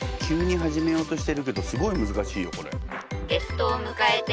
急に始めようとしてるけどすごい難しいよこれ。